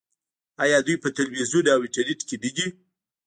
آیا دوی په تلویزیون او انټرنیټ کې نه دي؟